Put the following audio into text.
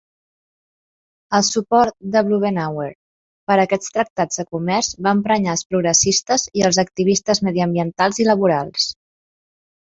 El suport de Blumenauer per a aquests tractats de comerç va emprenyar els progressistes i els activistes mediambientals i laborals.